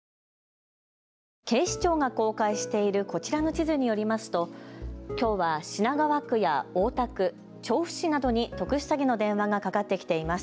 警視庁が公開しているこちらの地図によりますときょうは品川区や大田区、調布市などに特殊詐欺の電話がかかってきています。